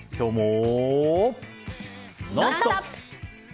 「ノンストップ！」。